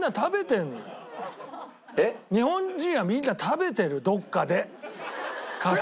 えっ？日本人はみんな食べてるどっかでカステラ。